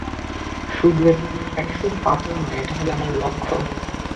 এটা শুধু পাথর নয়, এটা হবে আমার লক্ষ্য।